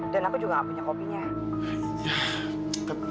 dan aku juga nggak punya kopinya